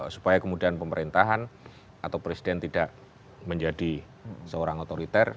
supaya kemudian pemerintahan atau presiden tidak menjadi seorang otoriter